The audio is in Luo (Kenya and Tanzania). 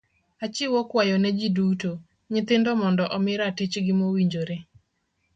Achiwo kwayo ne ji duto, nyithindo mondo omi ratich gi mowinjore.